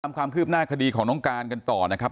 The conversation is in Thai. ความคืบหน้าคดีของน้องการกันต่อนะครับ